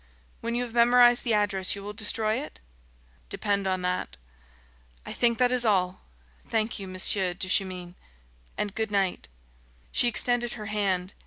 "When you have memorized the address you will destroy it?" "Depend on that." "I think that is all. Thank you, Monsieur Duchemin and good night." She extended her hand.